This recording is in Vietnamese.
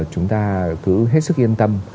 chúng ta cứ hết sức yên tâm